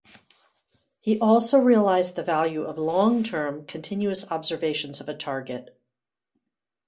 He also realized the value of long-term continuous observations of a target.